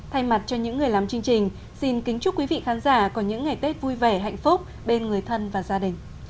thay mặt cho những người làm chương trình xin kính chúc quý vị khán giả có những ngày tết vui vẻ hạnh phúc bên người thân và gia đình